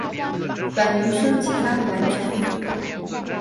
本鱼胸鳍发育完全。